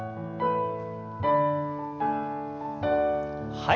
はい。